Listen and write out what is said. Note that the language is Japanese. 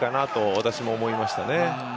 私も思いましたね。